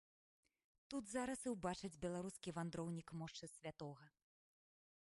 Тут зараз і ўбачыць беларускі вандроўнік мошчы святога.